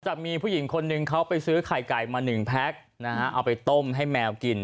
จะมีผู้หญิงคนนึงเขาไปซื้อไข่ไก่มาหนึ่งแพ็คนะฮะเอาไปต้มให้แมวกิน